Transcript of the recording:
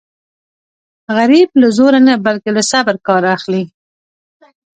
غریب له زوره نه بلکې له صبره کار اخلي